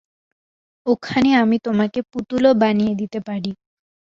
ওখানে আমি তোমাকে পুতুলও বানিয়ে দিতে পারি।